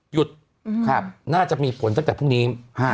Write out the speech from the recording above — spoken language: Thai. หยุดน่าจะมีผลตั้งแต่พรุ่งนี้